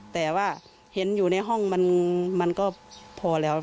แต่ว่าเห็นอยู่ในห้องมันก็พอแล้ว